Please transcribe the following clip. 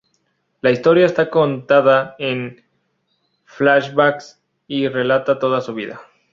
La historia está contada en flashbacks y relata toda su vida.